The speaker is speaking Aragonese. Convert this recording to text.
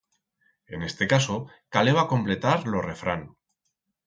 En este caso, caleba completar lo refrán.